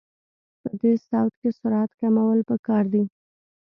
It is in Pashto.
په دې صورت کې سرعت کمول پکار دي